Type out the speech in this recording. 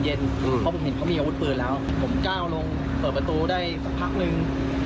เพราะผมเห็นเขามีอาวุธปืนแล้วผมก้าวลงเปิดประตูได้สักพักนึง